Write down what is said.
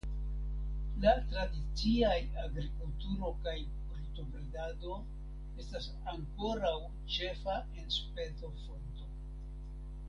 La tradiciaj agrikulturo kaj brutobredado estas ankoraŭ ĉefa enspezofonto.